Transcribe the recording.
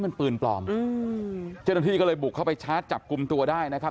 มันปืนปลอมอืมเจ้าหน้าที่ก็เลยบุกเข้าไปชาร์จจับกลุ่มตัวได้นะครับ